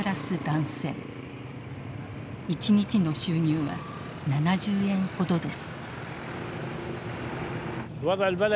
一日の収入は７０円ほどです。